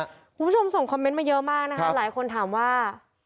คุณผู้ชมส่งคอมเมนต์มาเยอะมากนะคะหลายคนถามว่า